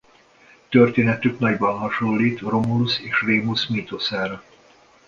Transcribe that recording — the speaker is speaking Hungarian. Történetük nagyban hasonlít Romulus és Remus mítoszára.